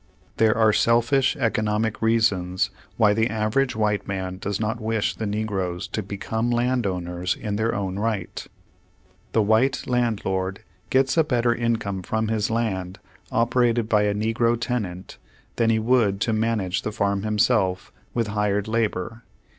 There are selfish economic reasons why the average white man does not wish the negroes to become land owners in their own right. The white landlord gets a better income from his land operated by a negro tenant than he would to manage the farm himself with hired labor.